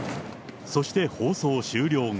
そして放送終了後。